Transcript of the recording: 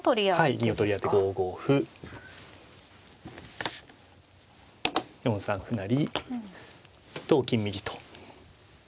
はい銀を取り合って５五歩４三歩成同金右と。